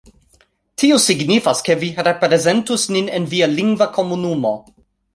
Tio signifas, ke vi reprezentus nin en via lingva komunumo